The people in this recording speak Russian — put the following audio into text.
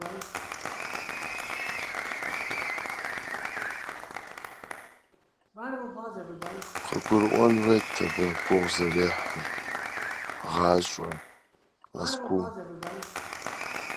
Он бы должен был понять всю тяжесть этой жизни моей здесь, в Москве.